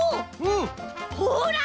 ほら！